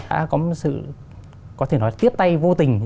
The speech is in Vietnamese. có một sự có thể nói là tiếp tay vô tình